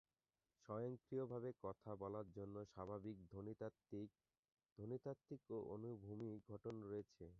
স্বয়ংক্রিয়ভাবে কথা বলার জন্য স্বাভাবিক ধ্বনিতাত্ত্বিক, ধ্বনিতাত্ত্বিক ও অনুভূমিক গঠন রয়েছে।